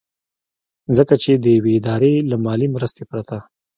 ځکه چې د يوې ادارې له مالي مرستې پرته